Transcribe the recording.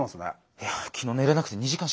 いや昨日寝れなくて２時間しか寝てない。